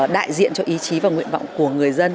đại diện cho ý chí và nguyện vọng của người dân